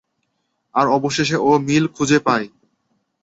আর অবশেষে ও মিল খুঁজে পায়।